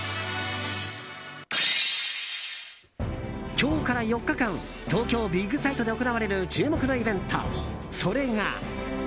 今日から４日間東京ビッグサイトで行われる注目のイベント、それが。